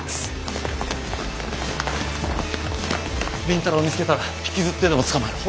倫太郎を見つけたら引きずってでも捕まえろ。